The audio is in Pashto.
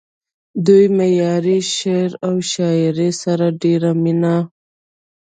دوي معياري شعر و شاعرۍ سره ډېره مينه